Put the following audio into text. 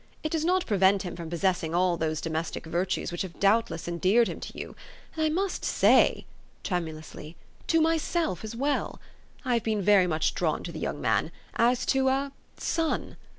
" It does not pre vent him from possessing all those domestic virtues which have doubtless endeared him to you ; and I must say," tremulously "to myself as well. I have been very much drawn to the }'Oung man, as to a son.